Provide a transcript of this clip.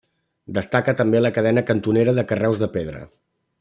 Destaca també la cadena cantonera de carreus de pedra.